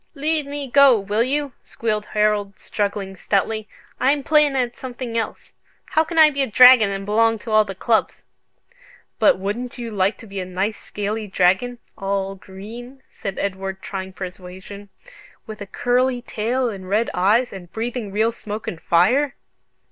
"Leave me go, will you?" squealed Harold, struggling stoutly. "I'm playin' at something else. How can I be a dragon and belong to all the clubs?" "But wouldn't you like to be a nice scaly dragon, all green," said Edward, trying persuasion, "with a curly tail and red eyes, and breathing real smoke and fire?"